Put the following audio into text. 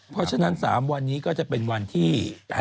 เพราะฉะนั้น๓วันนี้ก็จะเป็นวันที่